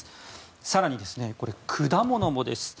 更に、果物もです。